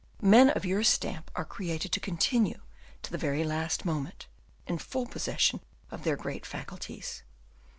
Men of your stamp are created to continue, to the very last moment, in full possession of their great faculties.